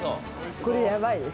これ、やばいです。